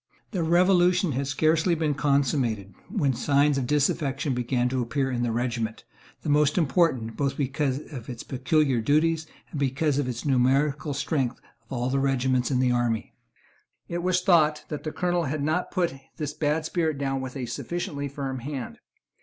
The Revolution had scarcely been consummated, when signs of disaffection began to appear in that regiment, the most important, both because of its peculiar duties and because of its numerical strength, of all the regiments in the army. It was thought that the Colonel had not put this bad spirit down with a sufficiently firm hand.